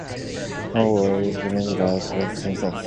Cyrus was partnered with Karina Smirnoff.